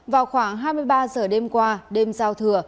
vào khoảng hai mươi ba giờ đêm qua đêm giao thừa